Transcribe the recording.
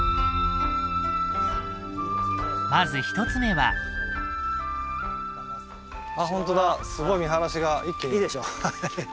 まず１つ目はホントだすごい見晴らしが一気にいいでしょ？